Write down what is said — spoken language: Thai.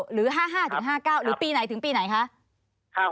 หรือ๕๕๙หรือปีไหนถึงปีไหนคะ